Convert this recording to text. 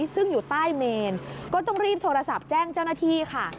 ซึ่งอยู่ใต้เมนก็ต้องรีบโทรศัพท์แจ้งเจ้าหน้าที่ค่ะ